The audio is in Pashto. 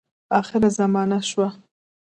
آخره زمانه سوه .